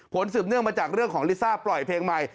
สืบเนื่องมาจากเรื่องของลิซ่าปล่อยเพลงใหม่